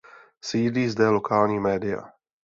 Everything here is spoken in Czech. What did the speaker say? Sídlí zde lokální média.